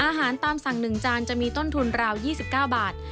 อาหารตามสั่ง๑จานจะมีต้นทุนราว๒๙บาท